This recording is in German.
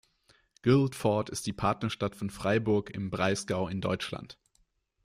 Guildford ist die Partnerstadt von Freiburg im Breisgau in Deutschland.